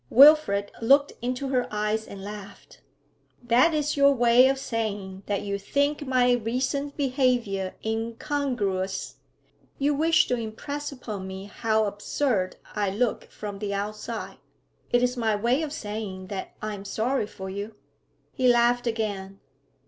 Wilfrid looked into her eyes and laughed. 'That is your way of saying that you think my recent behaviour incongruous. You wish to impress upon me how absurd I look from the outside?' 'It is my way of saying that I am sorry for you.' He laughed again.